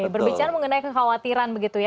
berbicara mengenai kekhawatiran begitu ya